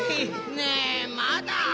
ねえまだ？